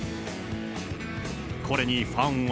これにファンは。